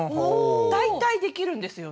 大体できるんですよね。